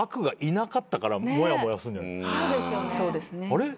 「あれ？